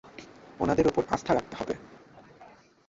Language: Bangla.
ওনাদের ওপর আস্থা রাখতে হবে।